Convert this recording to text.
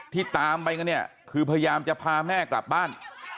ตามไปกันเนี่ยคือพยายามจะพาแม่กลับบ้าน